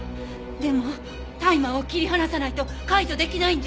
でもタイマーを切り離さないと解除出来ないんじゃ。